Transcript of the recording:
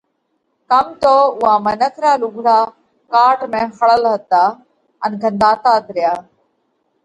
ڪم تو اُوئا منک را لُوگھڙا ڪاٽ ۾ ۿڙل هتا ان گھنڌاتات ريا۔